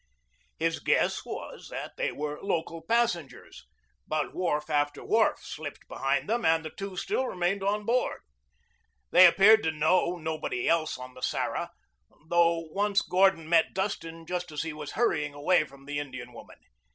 His guess was that they were local passengers, but wharf after wharf slipped behind them and the two still remained on board. They appeared to know nobody else on the Sarah, though once Gordon met Dustin just as he was hurrying away from the Indian woman.